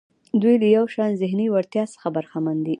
دوی له یو شان ذهني وړتیا څخه برخمن دي.